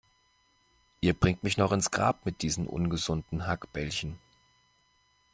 Ihr bringt mich noch ins Grab mit diesen ungesunden Hackbällchen.